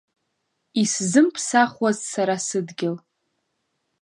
Исзымԥсахуаз сара сыдгьыл…